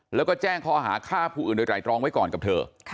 แล้วก็แจ้งข้อหาฆ่าผู้อื่นโดยไตรรองไว้ก่อนกับเธอ